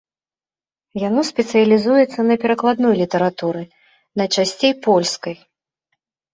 Яно спецыялізуецца на перакладной літаратуры, найчасцей польскай.